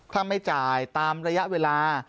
ถ้าไม่จ่ายตามระยะเวลา